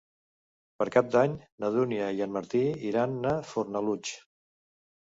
Per Cap d'Any na Dúnia i en Martí iran a Fornalutx.